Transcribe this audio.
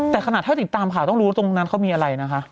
แต่ขนาดถ้าติดตามข่าวต้องรู้ตรงนั้นเขามีอะไรนะคะ